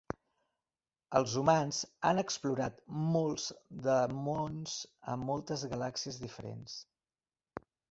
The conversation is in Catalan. Els humans han explorat molts de mons a moltes galàxies diferents.